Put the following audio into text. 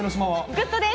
グッドです。